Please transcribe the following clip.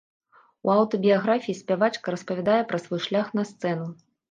У аўтабіяграфіі спявачка распавядае пра свой шлях на сцэну.